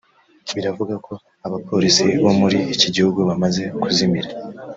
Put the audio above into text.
biravuga ko abapolisi bo muri iki gihugu bamaze kuzimira